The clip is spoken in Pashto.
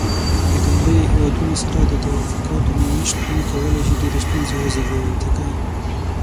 د ګاونډيو هيوادونو سره د تووافقاتو نه شتون کولاي شي ډيرې ستونزې وزيږوي ځکه.